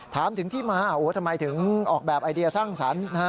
ถามถึงที่มาทำไมถึงออกแบบไอเดียสร้างสรรค์